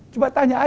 coba tanya saja